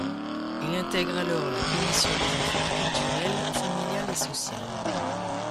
Il intègre alors la commission des affaires culturelles, familiales et sociales.